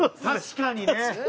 確かにね